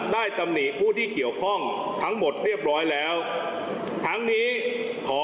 ตำหนิผู้ที่เกี่ยวข้องทั้งหมดเรียบร้อยแล้วทั้งนี้ขอ